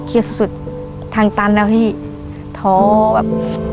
เครียดสุดทางตันแล้วพี่ท้อแบบ